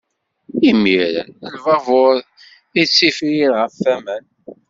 Imiren, lbabuṛ ittifrir ɣef waman.